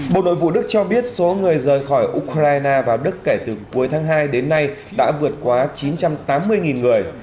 bộ nội vụ đức cho biết số người rời khỏi ukraine vào đức kể từ cuối tháng hai đến nay đã vượt quá chín trăm tám mươi người